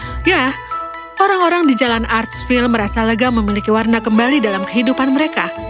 dan setelah itu orang orang di jalan artsville merasa lega memiliki warna kembali dalam kehidupan mereka